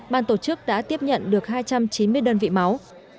ban tổ chức đã tiếp nhận được hai trăm chín mươi đơn vị máu